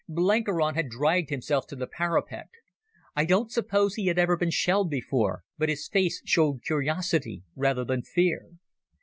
Blenkiron had dragged himself to the parapet. I don't suppose he had ever been shelled before, but his face showed curiosity rather than fear.